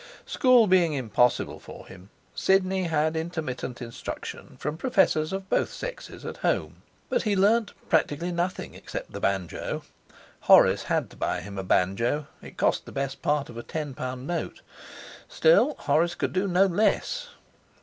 School being impossible for him, Sidney had intermittent instruction from professors of both sexes at home. But he learnt practically nothing except the banjo. Horace had to buy him a banjo: it cost the best part of a ten pound note; still, Horace could do no less.